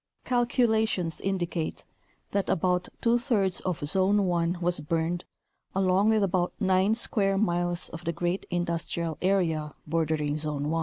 Calculations in dicate that about two thirds of Zone 1 was burned along with about nine square miles of the great industrial area bordering Zone 1.